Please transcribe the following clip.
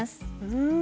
うん。